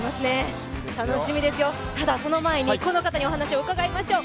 楽しみですよ、ただその前にこの方にお話を伺いましょう。